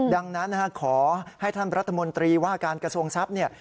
ดังนั้นขอให้ท่านรัฐมนตรีว่าการกระทรวงทรัพย์เนี่ย